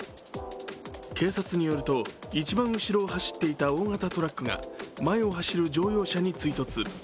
警察によると、一番後ろを走っていた大型トラックが前を走る乗用車に追突。